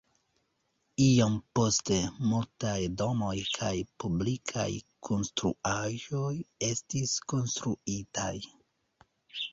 Iom poste multaj domoj kaj publikaj konstruaĵoj estis konstruitaj.